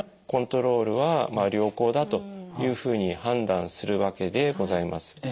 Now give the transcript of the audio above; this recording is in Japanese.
コントロールは良好だというふうに判断するわけでございます。